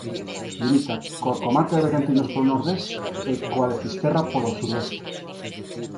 Limita coa comarca de Bergantiños polo nordés e coa de Fisterra polo suroeste.